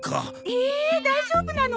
ええ大丈夫なの？